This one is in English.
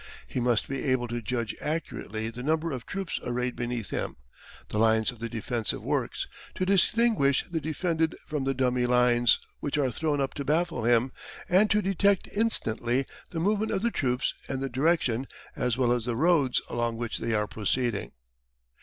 He must be able to judge accurately the numbers of troops arrayed beneath him, the lines of the defensive works, to distinguish the defended from the dummy lines which are thrown up to baffle him, and to detect instantly the movement of the troops and the direction, as well as the roads, along which they are proceeding.